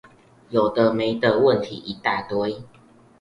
有的沒的問題一大堆